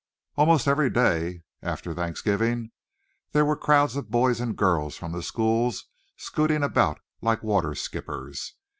Almost every day after Thanksgiving there were crowds of boys and girls from the schools scooting about like water skippers.